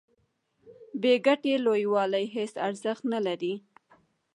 بې ګټې لویوالي هیڅ ارزښت نلري.